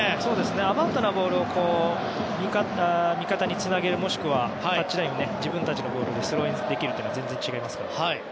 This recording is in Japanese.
アバウトなボールを味方につなげるもしくはタッチラインを割らせて自分たちのボールでスローインできるというのは全然違いますからね。